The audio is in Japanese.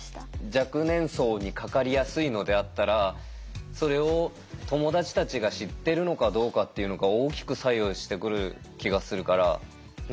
若年層にかかりやすいのであったらそれを友達たちが知ってるのかどうかっていうのが大きく左右してくる気がするからね。